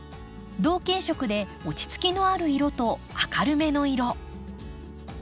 同系色で落ち着きのある色と明るめの色。